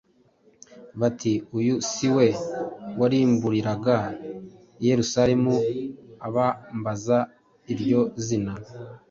bati, “Uyu si we warimburiraga i Yerusalemu abambaza iryo zina?